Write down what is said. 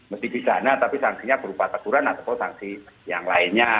mesti pidana tapi sanksinya berupa teguran ataupun sanksi yang lainnya